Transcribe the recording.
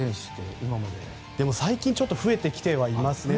最近はちょっと増えてきてはいますね。